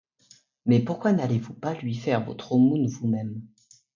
Mais pourquoi n'allez-vous pas lui faire votre aumône vous-même?